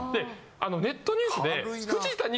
ネットニュースで。